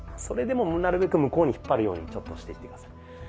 それでもなるべく向こうに引っ張るようにしていって下さい。